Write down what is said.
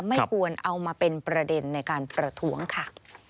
ไม่ควรเอามาเป็นประเด็นในการประท้วงค่ะ